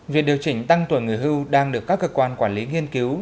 việc điều chỉnh tăng tuổi người hưu đang được các cơ quan quản lý nghiên cứu